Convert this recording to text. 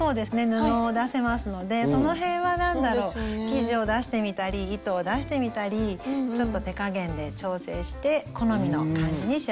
布を出せますのでその辺は何だろ生地を出してみたり糸を出してみたりちょっと手加減で調整して好みの感じに仕上げていって下さい。